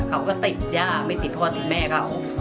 เขาก็ติดย่าไม่ติดพ่อติดแม่เขา